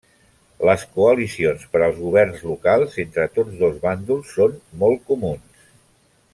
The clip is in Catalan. Les coalicions per als governs locals entre tots dos bàndols són molt comuns.